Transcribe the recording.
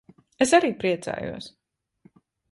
Es arī priecājos.